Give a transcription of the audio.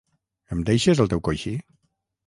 Em deixes el teu coixí?